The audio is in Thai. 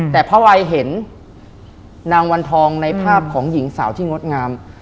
แต่พระวัยเห็นนางวันทองในภาพของหญิงสาวที่งดงาม